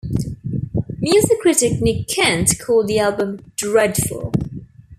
Music critic Nick Kent called the album "dreadful".